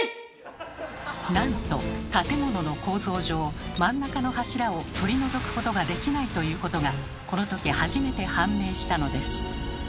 ⁉なんと建物の構造上真ん中の柱を取り除くことができないということがこのとき初めて判明したのです。